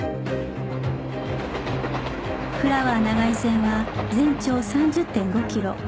フラワー長井線は全長 ３０．５ キロ